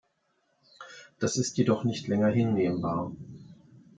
Das ist jedoch nicht länger hinnehmbar.